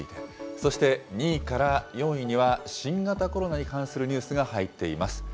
そして２位から４位には、新型コロナに関するニュースが入っています。